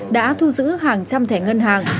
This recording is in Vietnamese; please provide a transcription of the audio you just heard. đã thu giữ hàng trăm thẻ ngân hàng